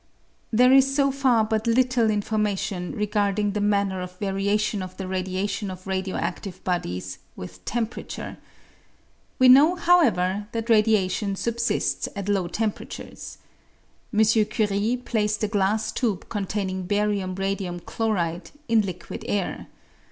There is so far but little information regarding the manner of variation of the radiation of radio adive bodies with temperature. We know, however, that radiation subsists at low temperatures. M. Curie placed a glass tube containing barium radium chloride in liquid air.